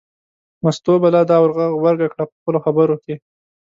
مستو به لا دا ور غبرګه کړه په خپلو خبرو کې.